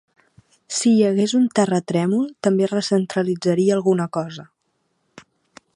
Si hi hagués un terratrèmol també recentralitzaria alguna cos.